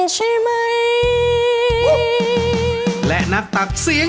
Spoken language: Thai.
ใช่